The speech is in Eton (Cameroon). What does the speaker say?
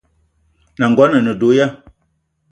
N’nagono a ne do ya ?